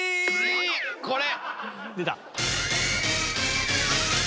これ。